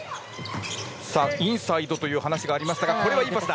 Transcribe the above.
インサイドという話がありましたがこれは、いいパスだ。